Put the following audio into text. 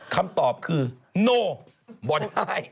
คำตอบคือไม่ได้